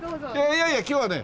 いやいや今日はね